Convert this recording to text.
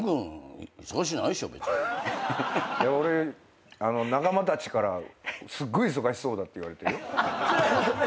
でも俺仲間たちからはすっごい忙しそうだって言われてるよ。